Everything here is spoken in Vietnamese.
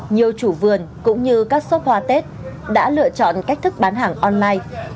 nhiều chủ vườn cũng như các xốp hoa tết đã lựa chọn cách thức bán hàng online